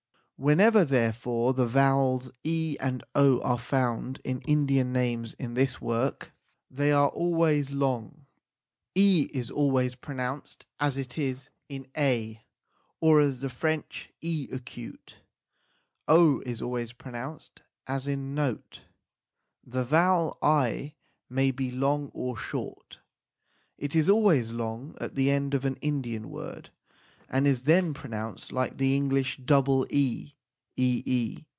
Whenever, therefore, the vowels e and o are found in Indian names in this work, they xxxii THE SIKH RELIGION are always long. E is always pronounced as it is in eh or as the French 4. is always pronounced as in note. The vowel i may be long or short. It is always long at the end of an Indian word, and is then pronounced like the English double e ee